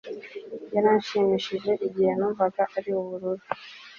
Yaranshimishije igihe numvaga ari ubururu